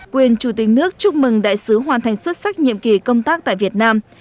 quyền chủ tịch nước chúc mừng đại sứ hoàn thành xuất sắc nhiệm kỳ công tác tại việt nam